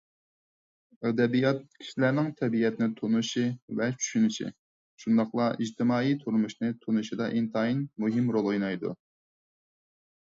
ئەدەبىيات كىشىلەرنىڭ تەبىئەتنى تونۇشى ۋە چۈشىنىشى، شۇنداقلا ئىجتىمائىي تۇرمۇشنى تونۇشىدا ئىنتايىن مۇھىم رول ئوينايدۇ.